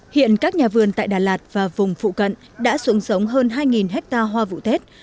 hiện các nhà vườn tại đà lạt và vùng phụ cận đã xuống sống hơn hai hectare hoa vụ tết